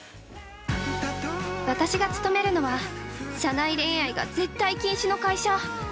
◆私が勤めるのは社内恋愛が絶対禁止の会社。